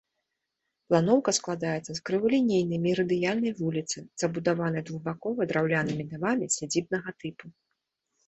Планоўка складаецца з крывалінейнай мерыдыянальнай вуліцы, забудаванай двухбакова драўлянымі дамамі сядзібнага тыпу.